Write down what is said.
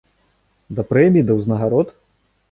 Да прэмій, да ўзнагарод?